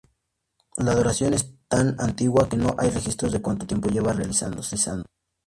La adoración es tan antigua que no hay registros de cuánto tiempo lleva realizándose.